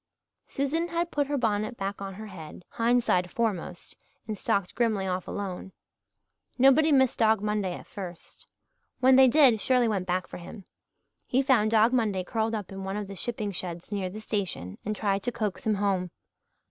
Susan had put her bonnet back on her head, hindside foremost, and stalked grimly off alone. Nobody missed Dog Monday at first. When they did Shirley went back for him. He found Dog Monday curled up in one of the shipping sheds near the station and tried to coax him home.